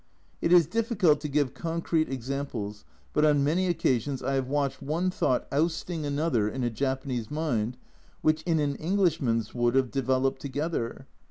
It is difficult to give concrete ex amples, but on many occasions I have watched one thought ousting another in a Japanese mind which in an Englishman's would have developed together.